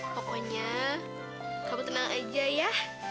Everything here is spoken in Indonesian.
pokoknya kamu tenang aja ya